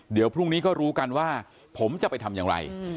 เดี๋ยวพรุ่งนี้ก็รู้กันว่าผมจะไปทำอย่างไร